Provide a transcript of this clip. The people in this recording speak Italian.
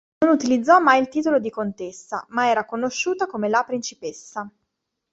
Non utilizzò mai il titolo di contessa, ma era conosciuta come "la principessa".